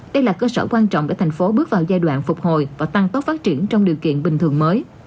đây là cơ sở quan trọng để thành phố bước vào giai đoạn phục hồi và tăng tốc phát triển trong điều kiện bình thường mới